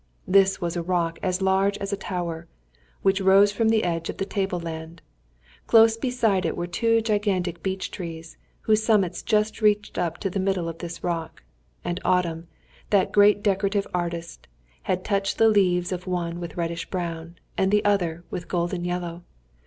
This was a rock as large as a tower, which rose from the edge of the table land. Close beside it were two gigantic beech trees, whose summits just reached up to the middle of this rock, and Autumn, that great decorative artist, had touched the leaves of one with reddish brown, and the other with golden yellow.